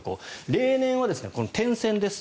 例年は点線です。